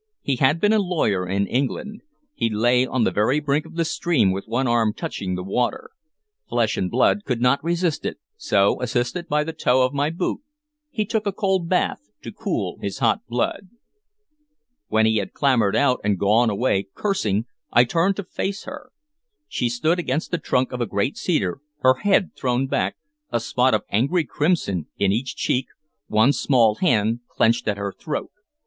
He had been a lawyer in England. He lay on the very brink of the stream, with one arm touching the water. Flesh and blood could not resist it, so, assisted by the toe of my boot, he took a cold bath to cool his hot blood. When he had clambered out and had gone away, cursing, I turned to face her. She stood against the trunk of a great cedar, her head thrown back, a spot of angry crimson in each cheek, one small hand clenched at her throat.